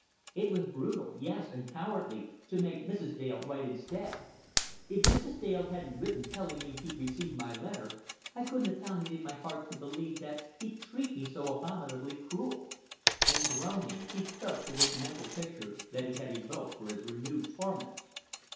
It was brutal, yes, and cowardly, to make Mrs. Dale write instead. If Mrs. Dale hadn't written telling me he'd received my letter, I couldn't have found it in my heart to believe that he'd treat me so abominably cruel." And, groaning, he spoke to this mental picture that he had evoked for his renewed torment.